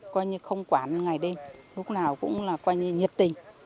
coi như không quản ngày đêm lúc nào cũng là coi như nhiệt tình